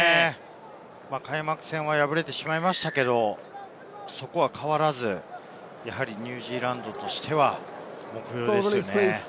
開幕戦は敗れてしまいましたけれど、そこは変わらず、やはりニュージーランドとしては目標ですよね。